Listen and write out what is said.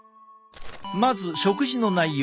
まず食事の内容。